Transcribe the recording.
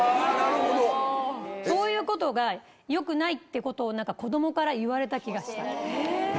そういうことがよくないってことを、なんか子どもから言われた気がした。